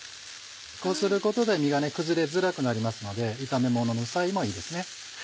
こうすることで身が崩れづらくなりますので炒めものの際もいいですね。